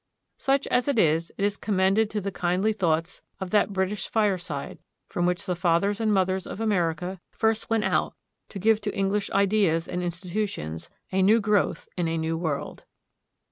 Such as it is, it is commended to the kindly thoughts of that British fireside from which the fathers and mothers of America first went out to give to English ideas and institutions a new growth in a new world.